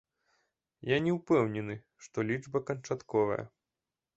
Я не ўпэўнены, што лічба канчатковая.